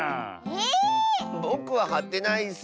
えっ⁉ぼくははってないッス。